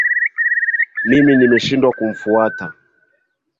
Mimi nimeshindwa kumfuata